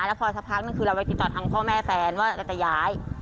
แล้วพอสักพักนึงคือเราไปติดต่อทางพ่อแม่แฟนว่าเราจะย้าย